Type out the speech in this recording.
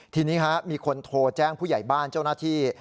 ทีนี้มีคนโทรแจ้งผู้ใหญ่บ้านเจ้าหน้าที่